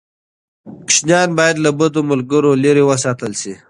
ماشومان باید له بدو ملګرو لرې وساتل شي.